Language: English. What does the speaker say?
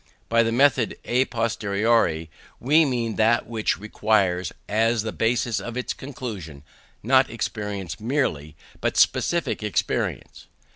By the method à posteriori we mean that which requires, as the basis of its conclusions, not experience merely, but specific experience.